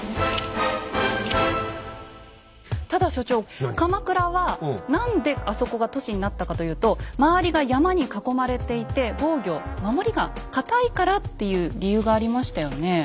ただ所長鎌倉は何であそこが都市になったかというと周りが山に囲まれていて防御守りが堅いからっていう理由がありましたよね。